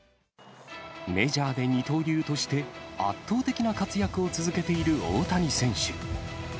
メジャーで二刀流として圧倒的な活躍を続けている大谷選手。